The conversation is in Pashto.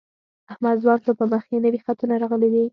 احمد ځوان شو په مخ یې نوي خطونه راغلي دي.